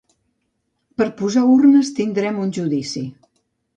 Per posar urnes tindrem un judici.